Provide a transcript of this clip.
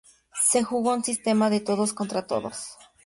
Se jugó un sistema de todos contra todos.